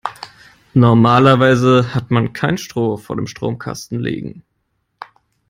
Normalerweise hat man kein Stroh vor dem Stromkasten liegen.